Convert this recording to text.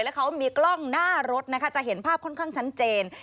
แล้วเขามีกล้องหน้ารถนะคะจะเห็นภาพค่อนข้างชัดเจน